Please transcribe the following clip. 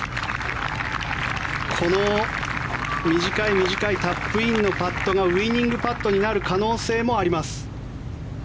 この短い短いタップインのパットがウィニングパットになる可能性もあります。